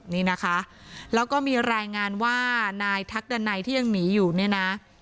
นี่นะคะแล้วก็มีรายงานว่านายทักดันัยที่ยังหนีอยู่เนี่ยนะ